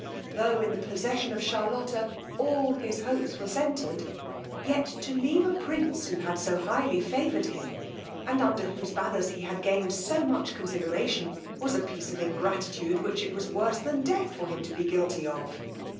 Tho' in the possession of Charlotta all his hopes were centered, yet to leave a prince who had so highly favoured him, and under whose banners he had gained so much consideration, was a piece of ingratitude, which it was worse than death for him to be guilty of.